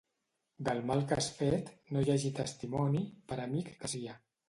Del mal que has fet, no hi hagi testimoni, per amic que sia.